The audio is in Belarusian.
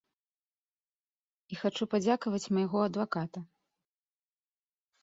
І хачу падзякаваць майго адваката.